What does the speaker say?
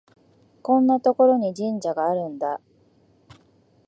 こんなところに神社があるんだ